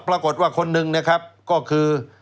ปรากฏว่าคนหนึ่งนะครับก็คือ